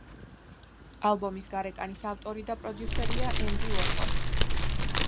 ალბომის გარეკანის ავტორი და პროდიუსერია ენდი უორჰოლი.